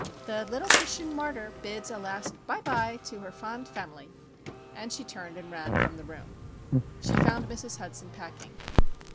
"The little Christian martyr bids a last bye bye to her fond family." And she turned and ran from the room. She found Mrs. Hudson packing.